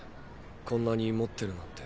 こんなに持ってるなんて。